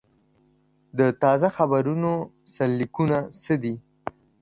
د تازه خبرونو سرلیکونه څه دي؟